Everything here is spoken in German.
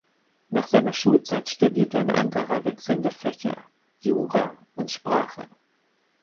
Nach seiner Schulzeit studiert er in Ankara wechselnde Fächer: Jura und Sprache.